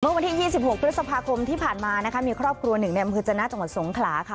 วันที่๒๖พฤษภาคมที่ผ่านมานะคะมีครอบครัวหนึ่งในอำเภอจนะจังหวัดสงขลาค่ะ